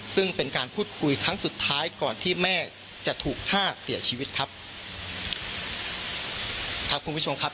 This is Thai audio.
ซึ่งเป็นการพูดคุยครั้งสุดท้ายก่อนที่แม่จะถูกฆ่าเสียชีวิตครับครับคุณผู้ชมครับ